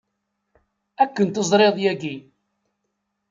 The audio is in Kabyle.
Akken teẓriḍ yagi.